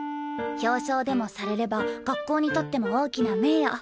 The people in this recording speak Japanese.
表彰でもされれば学校にとっても大きな名誉。